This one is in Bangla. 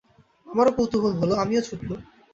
আমারও কৌতূহল হল, আমিও ছুটলুম।